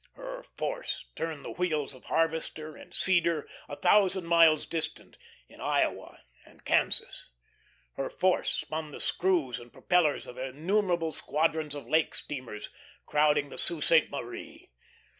Her force turned the wheels of harvester and seeder a thousand miles distant in Iowa and Kansas. Her force spun the screws and propellers of innumerable squadrons of lake steamers crowding the Sault Sainte Marie.